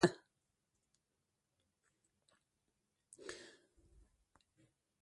د پښتنو مېلمه پالنه په نړۍ کې مشهوره ده.